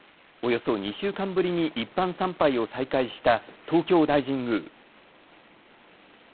およそ２週間ぶりに一般参拝を再開した東京大神宮。